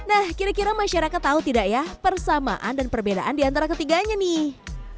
nah kira kira masyarakat tau tidak ya persamaan dan perbedaan di antara ketiganya nih